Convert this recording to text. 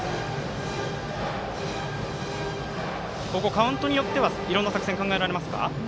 カウントによってはいろいろな作戦、考えられますか。